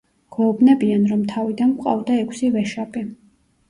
გვეუბნებიან, რომ თავიდან გვყავდა ექვსი ვეშაპი.